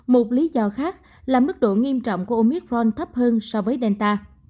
một lý do khác là mức độ nghiêm trọng của omicron thấp hơn so với delta